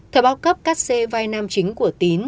thời báo cấp cắt xê vai nam chính của tín